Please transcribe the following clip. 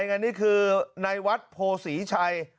หนึ่งนี้คือในวัดโภศีชัย